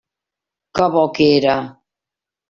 Que bo que era!